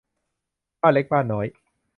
บ้านเล็กบ้านน้อย